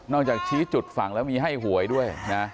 จากชี้จุดฝั่งแล้วมีให้หวยด้วยนะ